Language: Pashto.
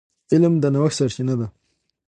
علم د نوښت سرچینه ده.